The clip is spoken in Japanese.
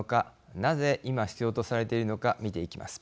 なぜ今必要とされているのか見ていきます。